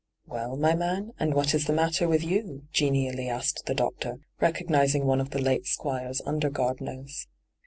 ' Well, my man, and what is the matter with you ?' genially asked the doctor, recognis ing one of the late Squire's under gardeners.